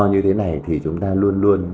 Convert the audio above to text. như thế này thì chúng ta luôn luôn